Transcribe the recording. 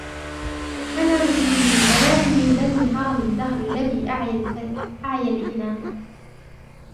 أنا مِصْرِيٌّ بناني من بنى هرمَ الدَّهرِ الذي أَعْيا الفنا